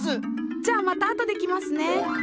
じゃあまた後で来ますね。